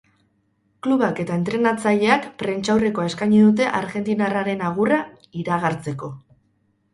Klubak eta entrenatzaileak prentsaurrekoa eskaini dute argentinarraren agurra iragartzeko.